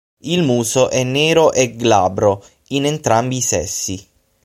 Il muso è nero e glabro in entrambi i sessi.